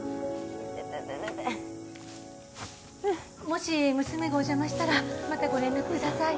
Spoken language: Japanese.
もし娘がお邪魔したらまたご連絡ください